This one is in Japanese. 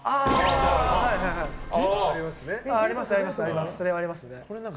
あります、あります。